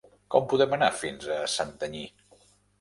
Com podem anar fins a Santanyí?